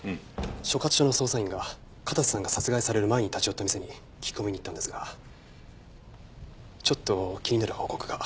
所轄署の捜査員が片瀬さんが殺害される前に立ち寄った店に聞き込みに行ったんですがちょっと気になる報告が。